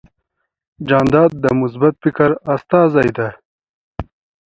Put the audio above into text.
جانداد د مثبت فکر استازی دی.